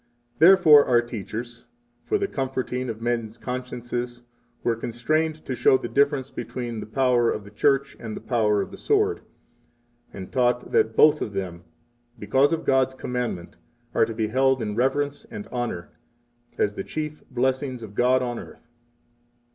Therefore our teachers, for the comforting of men's consciences, were constrained to show the difference between the power of the Church and the power of the sword, and taught that both of them, because of God's commandment, are to be held in reverence and honor, as the chief blessings of God on earth.